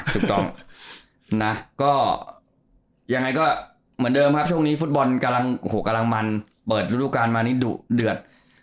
อเจมส์ก็ยังไงก็เหมือนเดิมครับช่วงนี้ฟุตบอลกำลังมันเปิดรูปรับการมานิดเดือด